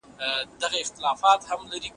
آیا کابل له کلتوري یرغلونو سره مقابله کړې ده؟